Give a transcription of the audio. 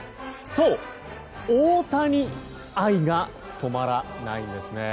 そう、大谷愛が止まらないんですね。